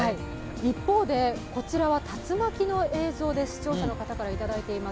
一方で、こちらは竜巻の映像でえす、視聴者の方からいただいています。